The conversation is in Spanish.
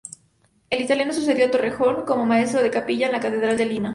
El italiano sucedió a Torrejón como maestro de capilla en la catedral de Lima.